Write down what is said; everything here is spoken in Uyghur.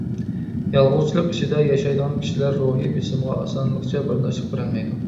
يالغۇزچىلىق ئىچىدە ياشايدىغان كىشىلەر روھىي بېسىمغا ئاسانلىقچە بەرداشلىق بېرەلمەيدۇ.